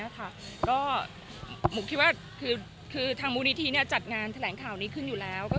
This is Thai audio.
ก็ผมคิดว่าคือทางมูลนิธิจัดงานแถลงข่าวนี้ขึ้นอยู่แล้ว